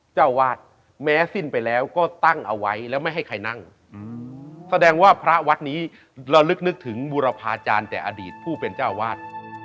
เจ้าวาดแม้สิ้นไปแล้วก็ตั้งเอาไว้แล้วไม่ให้ใครนั่งแสดงว่าพระวัดนี้ระลึกนึกถึงบุรพาจารย์แต่อดีตผู้เป็นเจ้าวาด